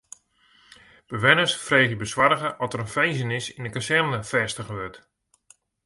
Bewenners freegje besoarge oft der in finzenis yn de kazerne fêstige wurdt.